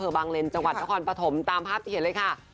บางเลนจังหวัดนครปฐมตามภาพที่เห็นเลยค่ะ